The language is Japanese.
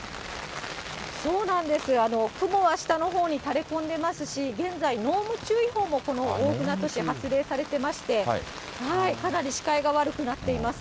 そうなんです、雲は下のほうに垂れ込んでいますし、現在、濃霧注意報もこの大船渡市、発令されてまして、かなり視界が悪くなっています。